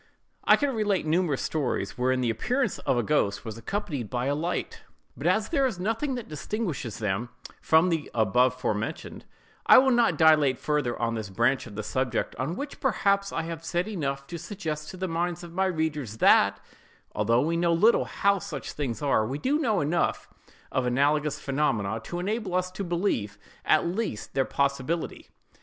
I could relate numerous stories wherein the appearance of a ghost was accompanied by a light; but as there is nothing that distinguishes them from those abovementioned, I will not dilate further on this branch of the subject, on which, perhaps, I have said enough to suggest to the minds of my readers that, although we know little how such things are, we do know enough of analogous phenomena to enable us to believe, at least, their possibility.